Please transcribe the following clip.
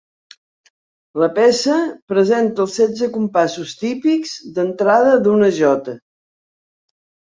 La peça presenta els setze compassos típics d'entrada d'una jota.